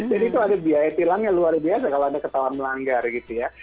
jadi itu ada biaya tilang yang luar biasa kalau anda ketawa melanggar gitu ya